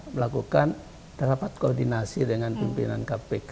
melakukan rapat koordinasi dengan pimpinan kpk